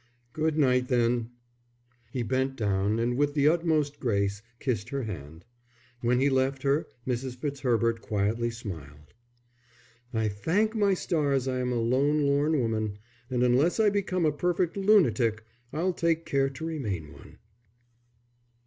"Good night, then." He bent down, and with the utmost grace kissed her hand. When he left her Mrs. Fitzherbert quietly smiled. "I thank my stars I am a lone, lorn woman, and unless I become a perfect lunatic I'll take care to remain one."